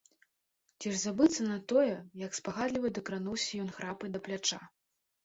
Ці ж забыцца на тое, як спагадліва дакрануўся ён храпай да пляча?!